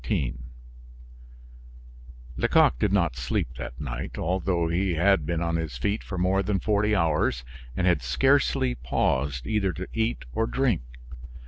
VIII Lecoq did not sleep that night, although he had been on his feet for more than forty hours, and had scarcely paused either to eat or drink.